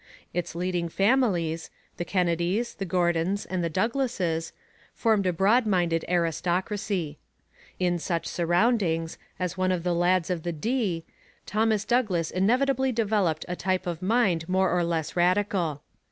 Its leading families, the Kennedys, the Gordons, and the Douglases, formed a broad minded aristocracy. In such surroundings, as one of the 'lads of the Dee,' Thomas Douglas inevitably developed a type of mind more or less radical.